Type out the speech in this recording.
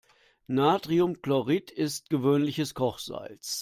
Natriumchlorid ist gewöhnliches Kochsalz.